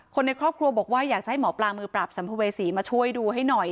คนในครอบครัวบอกว่าอยากจะให้หมอปลามือปราบสัมภเวษีมาช่วยดูให้หน่อย